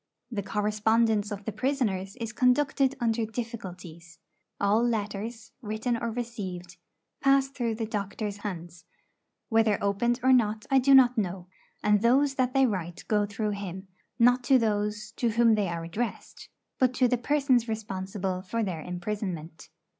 The correspondence of the prisoners is conducted under difficulties. All letters, written or received, pass through the doctor's hands, whether opened or not I do not know; and those that they write go through him, not to those to whom they are addressed, but to the persons responsible for their imprisonment.